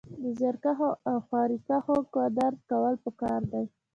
د زيارکښو او خواريکښو قدر کول پکار دی